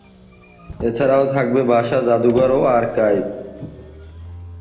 এছাড়াও থাকবে ভাষা-জাদুঘর ও আর্কাইভ।